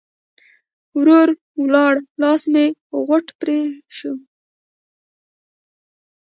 ورور م ولاړ؛ لاس مې غوټ پرې شو.